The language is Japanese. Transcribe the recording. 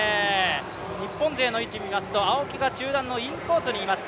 日本勢の位置見ますと、青木が中団のインコースにいます。